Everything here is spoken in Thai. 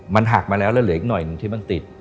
มันหักมาแล้วแล้วเหลืออีกหน่อยหนึ่งที่มันติด